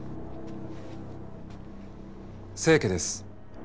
清家です。